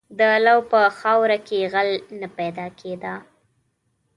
• د لو په خاوره کې غل نه پیدا کېده.